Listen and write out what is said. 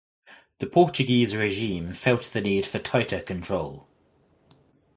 The Portuguese regime felt the need for tighter control.